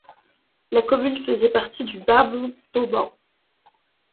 La commune faisait partie du Bas-Montauban.